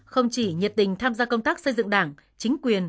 không chỉ nhiệt tình tham gia công tác xây dựng đảng chính quyền